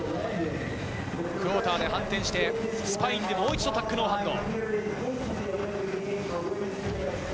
クォーターで反転してスパインでもう一度、タックノーハンド。